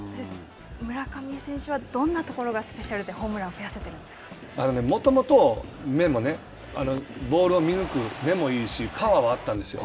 村上選手は、どんなところがスペシャルでホームランを増やせてもともと、目もボールを見ぬく目もパワーはあったんですよ。